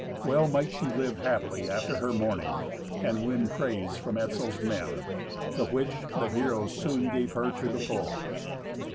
Well might she live happily after her mourning, and win praise from Etzel's men, the which the heroes soon gave her to the full.